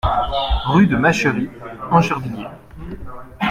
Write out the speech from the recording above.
Rue de Machery, Angervilliers